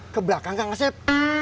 ke belakang kak ngaset